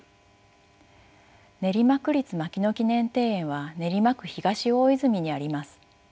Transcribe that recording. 練馬区立牧野記念庭園は練馬区東大泉にあります。